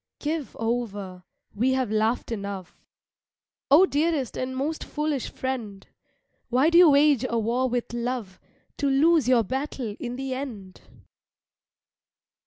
Give over, we have laughed enough; Oh dearest and most foolish friend, Why do you wage a war with love To lose your battle in the end?